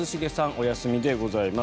お休みでございます。